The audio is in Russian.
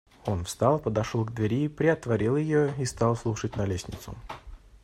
Он встал, подошел к двери, приотворил ее и стал слушать на лестницу.